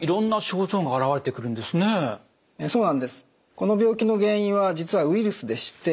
この病気の原因は実はウイルスでして。